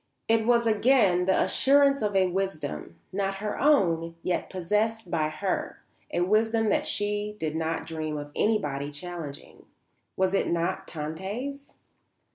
It was again the assurance of a wisdom, not her own, yet possessed by her, a wisdom that she did not dream of anybody challenging. Was it not Tante's?